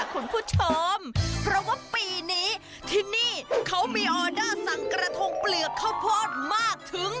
คุณผู้ชมเพราะว่าปีนี้ที่นี่เขามีออเดอร์สั่งกระทงเปลือกข้าวโพดมากถึง